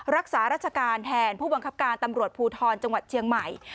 รักษาราชการแทนผู้บังคับการตำรวจภูทรจังหวัดเชียงใหม่